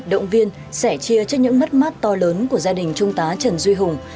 động viên sẻ chia cho những mắt mắt to lớn của gia đình trung tá trần duy hùng